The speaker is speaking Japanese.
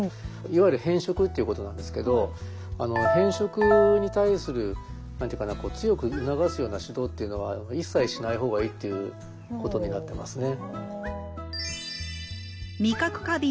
いわゆる偏食っていうことなんですけど偏食に対する何て言うかな強く促すような指導っていうのは一切しない方がいいっていうことになってますね。